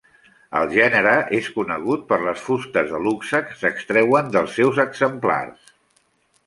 El gènere és conegut per les fustes de luxe que s'extreuen dels seus exemplars.